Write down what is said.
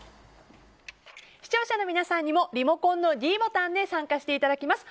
視聴者の皆さんにもリモコンのｄボタンで参加していただきます。